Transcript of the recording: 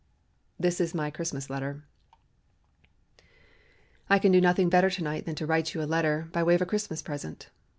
This is my Christmas letter: "I can do nothing better to night than to write you a letter by way of a Christmas present.